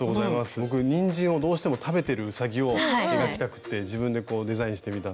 僕にんじんをどうしても食べてるうさぎを描きたくて自分でデザインしてみたんですけど。